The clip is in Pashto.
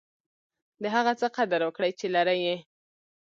د هغه څه قدر وکړئ، چي لرى يې.